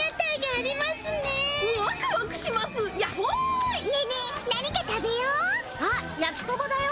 あっやきそばだよ。